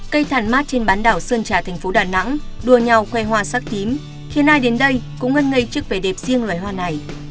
cây thàn mát trên bán đảo sơn trà thành phố đà nẵng đua nhau khoe hoa sắc tím khiến ai đến đây cũng ngân ngây trước vẻ đẹp riêng loài hoa này